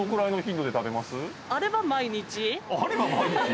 あれば毎日！？